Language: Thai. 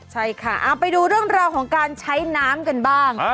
ใช่ค่ะเอาไปดูเรื่องราวของการใช้น้ำกันบ้าง